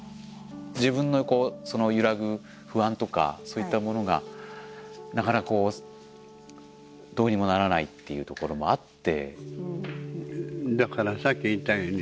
自分のその揺らぐ不安とかそういったものがなかなかこうどうにもならないっていうところもあって。